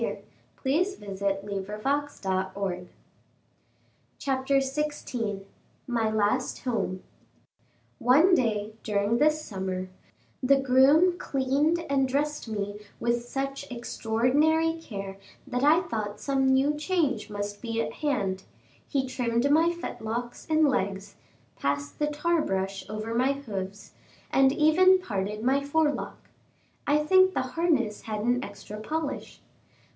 "Do so, I am now going there." CHAPTER XVI MY LAST HOME One day, during this summer, the groom cleaned and dressed me with such extraordinary care that I thought some new change must be at hand; he trimmed my fetlocks and legs, passed the tar brush over my hoofs, and even parted my forelock. I think the harness had an extra polish.